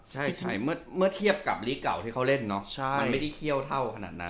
ใช่เมื่อเทียบกับลีกเก่าที่เขาเล่นเนาะมันไม่ได้เคี่ยวเท่าขนาดนั้น